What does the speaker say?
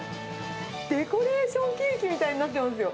デコレーションケーキみたいになってますよ。